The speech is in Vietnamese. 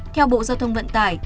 theo bộ giao thông vận tải